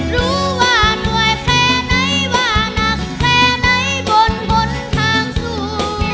รู้ว่ารวยแค่ไหนว่านักแค่ไหนบนบนทางสู้